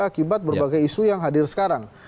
akibat berbagai isu yang hadir sekarang